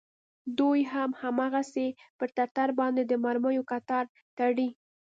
دوى هم هماغسې پر ټټر باندې د مرميو کتار تړي.